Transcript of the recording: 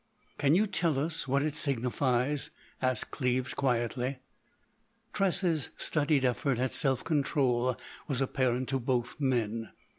"Can you tell us what it signifies?" asked Cleves, quietly. Tressa's studied effort at self control was apparent to both men.